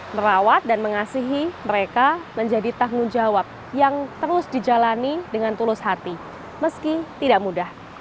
merawat dan mengasihi mereka menjadi tanggung jawab yang terus dijalani dengan tulus hati meski tidak mudah